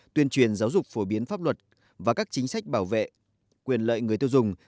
tuyên truyền giáo dục phổ biến pháp luật và các chính sách bảo vệ quyền lợi người tiêu dùng